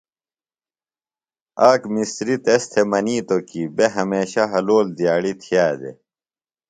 آک مسریۡ تس تھےۡ منِیتوۡ کی بےۡ ہمیشہ حلول دِیاڑی تِھیہ دےۡ۔